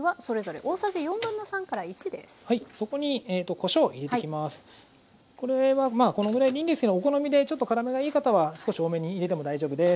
これはまあこのぐらいでいいんですけどお好みでちょっと辛めがいい方は少し多めに入れても大丈夫です。